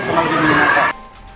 semangat lebih menyenangkan